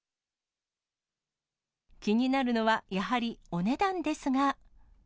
気になるのは、やはりお値段ですが。